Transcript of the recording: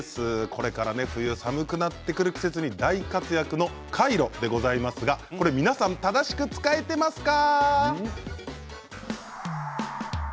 これから冬寒くなってくる季節に大活躍のカイロでございますが皆さん正しく使えていますか。